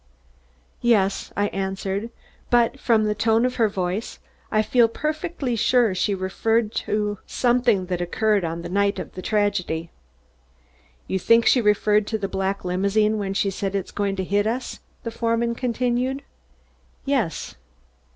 "Yes," I answered. "But from the tone of her voice I feel perfectly sure she referred to something that occurred on the night of the tragedy." "You think she referred to the black limousine when she said, 'It's going to hit us'?" the foreman continued. "Yes."